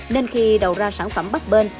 nên khi đầu ra sản phẩm bắt bên